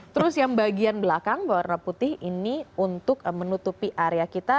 terus yang bagian belakang berwarna putih ini untuk menutupi area kita